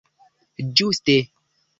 ĝuste